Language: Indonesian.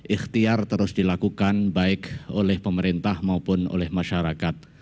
ikhtiar terus dilakukan baik oleh pemerintah maupun oleh masyarakat